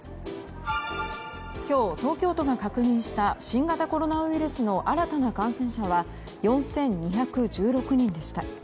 今日、東京都が確認した新型コロナウイルスの新たな感染者は４２１６人でした。